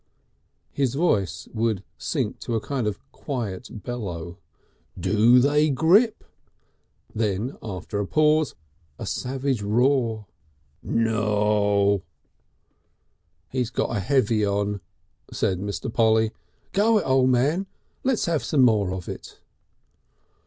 His voice would sink to a kind of quiet bellow. "Do they grip?" Then after a pause, a savage roar; "Naw!" "He's got a Heavy on," said Mr. Polly. "Go it, O' Man; let's have some more of it."